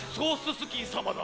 スキーさまだ。